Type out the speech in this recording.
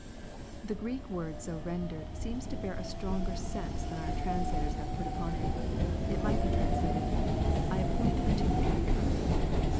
] The Greek word so rendered seems to bear a stronger sense than our translators have put upon it. It might be translated, " I appoint unto you by covenant."